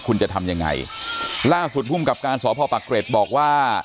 คุณจะทำยังไงล่าสุดภูมิกับการสพปะเกร็ดบอกว่า